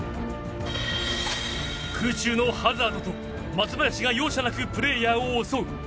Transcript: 空中のハザードと松林が容赦なくプレーヤーを襲う。